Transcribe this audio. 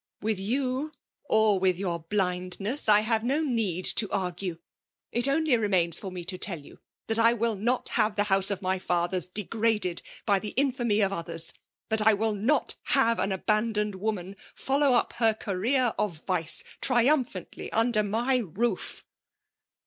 " With you or with your blindness, I have no need to argue* It only remittns for. me to tell you that I will not have the house of my fathers degraded by the iniamy oi^ others ; that I will not have an abandoned woman follow up her career of vice triumphantly under my roof."